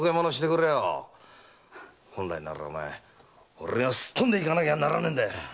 本来なら俺がすっ飛んで行かなきゃならねえんだ！